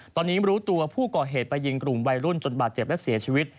ตอนนี้รู้ตัวผู้ก่อเหตุไปยิงกลุ่มวัยรุ่นจนบาดเจ็บและเสียชีวิต